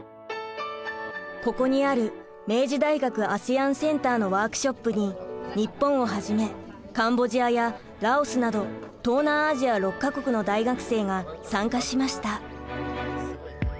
ここにある明治大学アセアンセンターのワークショップに日本をはじめカンボジアやラオスなど東南アジア６か国の大学生が参加しました。